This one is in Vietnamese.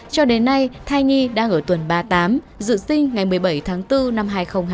cho đến nay thai nhi đang ở tuần ba mươi tám dự sinh ngày một mươi bảy tháng bốn năm hai nghìn hai mươi